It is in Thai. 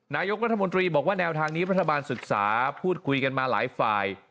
นายกรัฐมนตรีบอกว่าแนวทางนี้รัฐบาลศึกษาพูดคุยกันมาหลายฝ่าย